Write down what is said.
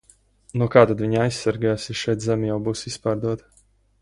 No kā tad viņi aizsargās, ja šeit zeme jau būs izpārdota?